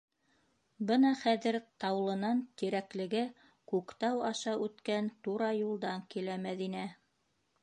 Бына хәҙер Таулынан Тирәклегә Күктау аша үткән тура юлдан килә Мәҙинә.